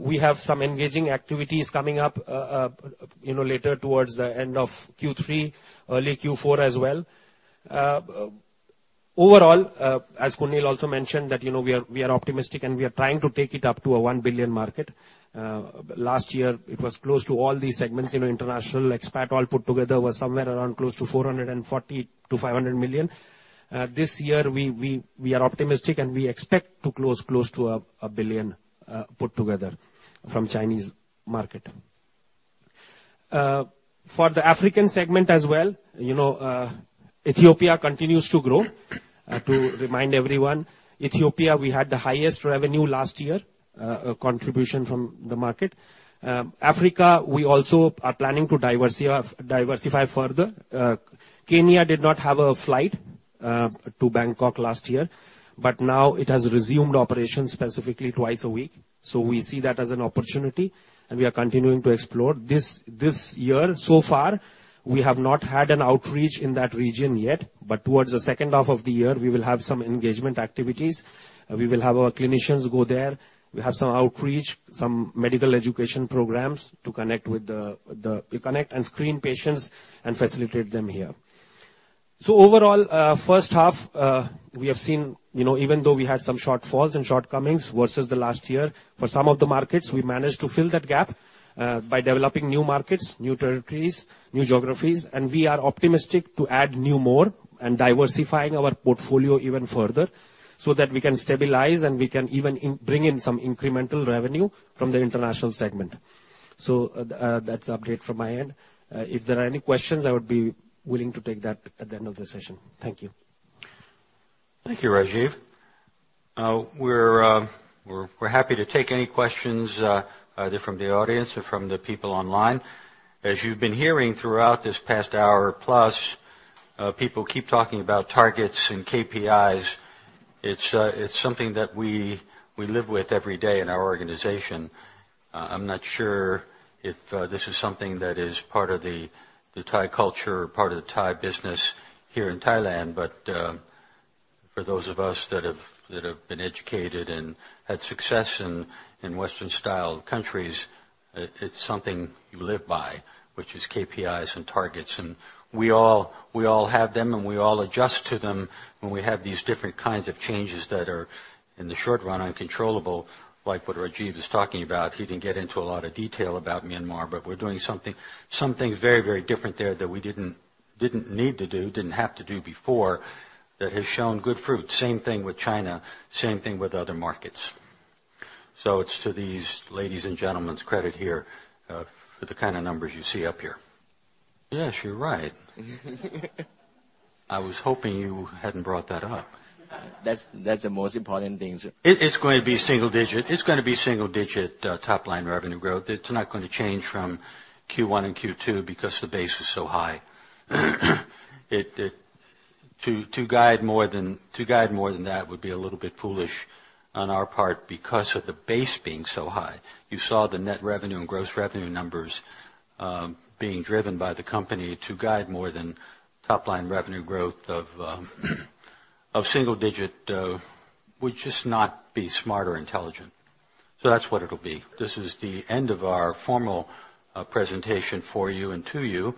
We have some engaging activities coming up, you know, later towards the end of Q3, early Q4 as well. Overall, as Khun Neil also mentioned, that, you know, we are optimistic, and we are trying to take it up to a 1 billion market. Last year it was close to all these segments, you know, international, expat, all put together, was somewhere around close to 440 million-500 million. This year, we are optimistic, and we expect to close close to 1 billion, put together from Chinese market. For the African segment as well, you know, Ethiopia continues to grow. To remind everyone, Ethiopia, we had the highest revenue last year, contribution from the market. Africa, we also are planning to diversify further. Kenya did not have a flight to Bangkok last year, but now it has resumed operations, specifically twice a week, so we see that as an opportunity, and we are continuing to explore. This year, so far, we have not had an outreach in that region yet, but towards the second half of the year, we will have some engagement activities. We will have our clinicians go there. We have some outreach, some medical education programs to connect with connect and screen patients and facilitate them here. So overall, first half, we have seen, you know, even though we had some shortfalls and shortcomings versus the last year, for some of the markets, we managed to fill that gap by developing new markets, new territories, new geographies, and we are optimistic to add new more and diversifying our portfolio even further so that we can stabilize, and we can even bring in some incremental revenue from the international segment. So, that's update from my end. If there are any questions, I would be willing to take that at the end of the session. Thank you. Thank you, Rajeev. We're happy to take any questions, either from the audience or from the people online. As you've been hearing throughout this past hour-plus, people keep talking about targets and KPIs. It's something that we live with every day in our organization. I'm not sure if this is something that is part of the Thai culture or part of the Thai business here in Thailand, but for those of us that have been educated and had success in Western-style countries, it's something you live by, which is KPIs and targets. We all have them, and we all adjust to them when we have these different kinds of changes that are, in the short run, uncontrollable, like what Rajeev was talking about. He didn't get into a lot of detail about Myanmar, but we're doing something, something very, very different there that we didn't need to do, didn't have to do before, that has shown good fruit. Same thing with China, same thing with other markets. So it's to these ladies and gentlemen's credit here for the kind of numbers you see up here. Yes, you're right. I was hoping you hadn't brought that up. That's the most important things. It's going to be single digit. It's going to be single-digit top-line revenue growth. It's not going to change from Q1 and Q2 because the base is so high. To guide more than that would be a little bit foolish on our part because of the base being so high. You saw the net revenue and gross revenue numbers being driven by the company. To guide more than top-line revenue growth of single digit would just not be smart or intelligent. So that's what it'll be. This is the end of our formal presentation for you and to you.